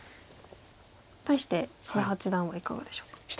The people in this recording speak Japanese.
対して志田八段はいかがでしょうか？